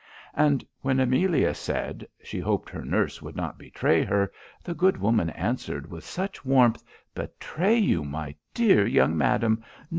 And when Amelia said, 'She hoped her nurse would not betray her,' the good woman answered with much warmth 'Betray you, my dear young madam!